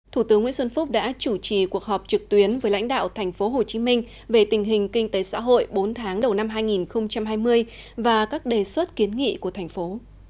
thủ tướng nguyễn xuân phúc đã chủ trì cuộc họp trực tuyến với lãnh đạo thành phố hồ chí minh về tình hình kinh tế xã hội bốn tháng đầu năm hai nghìn hai mươi và các đề xuất kiến nghị của thành phố